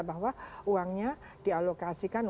bahwa uangnya dialokasikan untuk supaya lebih banyak